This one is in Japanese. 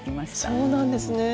そうなんですね。